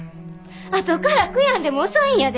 あとから悔やんでも遅いんやで。